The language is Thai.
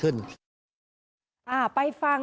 คุณสิริกัญญาบอกว่า๖๔เสียง